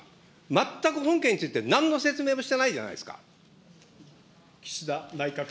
全く本件について、なんの説明もしてないじゃないですか。